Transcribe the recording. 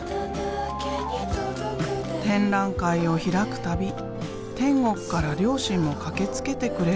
展覧会を開く度天国から両親も駆けつけてくれる。